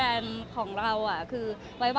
มันเป็นปัญหาจัดการอะไรครับ